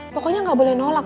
pokoknya enggak boleh nolak